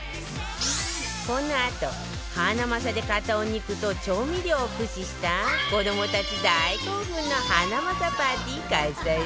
このあとハナマサで買ったお肉と調味料を駆使した子どもたち大興奮のハナマサパーティー開催よ